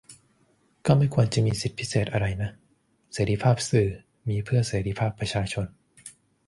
ก็ไม่ควรจะมีสิทธิพิเศษอะไรนะ - เสรีภาพสื่อมีเพื่อเสรีภาพประชาชน